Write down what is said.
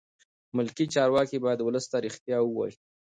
ملکي چارواکي باید ولس ته رښتیا ووایي.